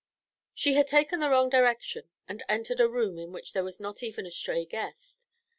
She had taken the wrong direction and entered a room in which there was not even a stray guest.